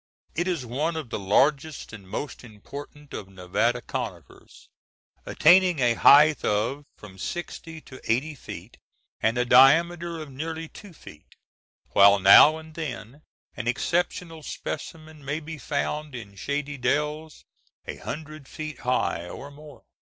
It is one of the largest and most important of Nevada conifers, attaining a height of from sixty to eighty feet and a diameter of nearly two feet, while now and then an exceptional specimen may be found in shady dells a hundred feet high or more.